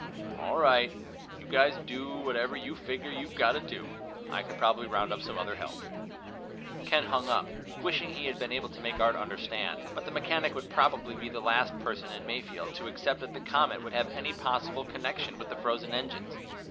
"All right. You guys do whatever you figure you've got to do. I can probably round up some other help." Ken hung up, wishing he had been able to make Art understand, but the mechanic would probably be the last person in Mayfield to accept that the comet could have any possible connection with the frozen engines.